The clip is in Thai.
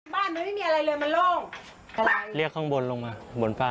บ้านมันไม่มีอะไรเลยมันโล่งเรียกข้างบนลงมาบนฝ้า